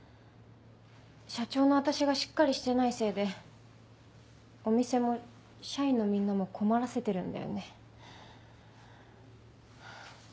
社長の私がしっかりしてないせいでお店も社員のみんなも困らせてるんだよね。